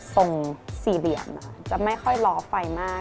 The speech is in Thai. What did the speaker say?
สี่เหลี่ยมจะไม่ค่อยล้อไฟมาก